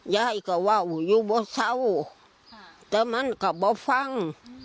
ยายก็ว่าอยู่บ่เศร้าแต่มันก็บ่ฟัง